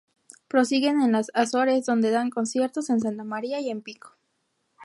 Prosiguen en las Azores, donde dan conciertos en Santamaría y en Pico.